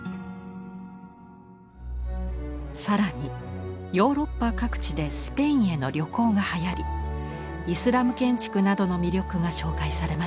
更にヨーロッパ各地でスペインへの旅行がはやりイスラム建築などの魅力が紹介されました。